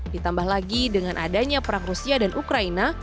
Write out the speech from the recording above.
ditambah lagi dengan adanya perang rusia dan ukraina